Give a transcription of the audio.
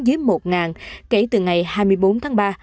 dưới một kể từ ngày hai mươi bốn tháng ba